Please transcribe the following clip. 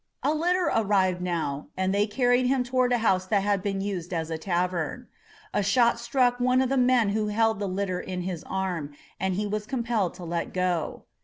A litter arrived now and they carried him toward a house that had been used as a tavern. A shot struck one of the men who held the litter in his arm and he was compelled to let go.